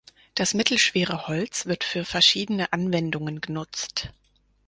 Das mittelschwere Holz wird für verschiedene Anwendungen genutzt.